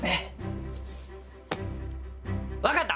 分かった！